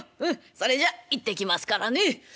それじゃ行ってきますからね。